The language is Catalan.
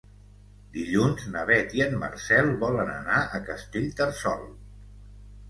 Dilluns na Beth i en Marcel volen anar a Castellterçol.